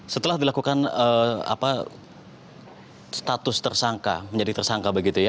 setelah dilakukan status tersangka menjadi tersangka begitu ya